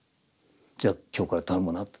「じゃあ今日から頼むな」と。